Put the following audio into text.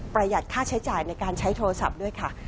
หัดค่าใช้จ่ายในการใช้โทรศัพท์ด้วยค่ะ